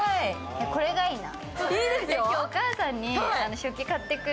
これがいいな。